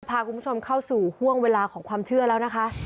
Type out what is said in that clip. พาคุณผู้ชมเข้าสู่ห่วงเวลาของความเชื่อแล้วนะคะ